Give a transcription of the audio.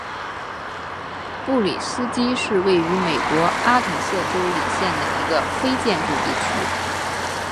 布里基斯是位于美国阿肯色州李县的一个非建制地区。